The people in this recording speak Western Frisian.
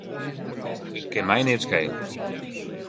It kin my neat skele.